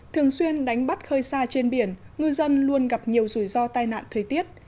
thường xuyên đánh bắt khơi xa trên biển ngư dân luôn gặp nhiều rủi ro tai nạn thời tiết